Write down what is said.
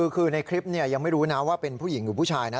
คือในคลิปยังไม่รู้นะว่าเป็นผู้หญิงหรือผู้ชายนะ